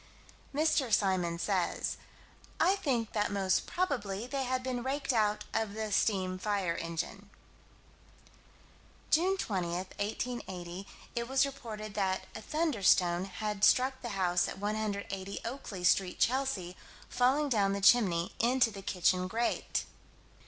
Mr. Symons says: "I think that most probably they had been raked out of the steam fire engine." June 20, 1880, it was reported that a "thunderstone" had struck the house at 180 Oakley Street, Chelsea, falling down the chimney, into the kitchen grate.